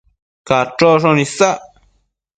Cachocshon isac